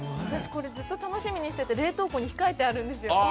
私これずっと楽しみにしてて、冷凍庫に控えてあるんですよ。